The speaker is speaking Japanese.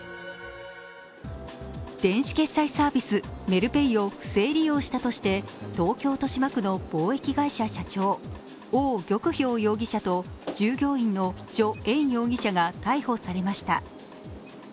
電子決済サービス・メルペイを不正利用したとして東京・豊島区の貿易会社社長王玉氷容疑者と従業員の徐燕容疑者が逮捕されました。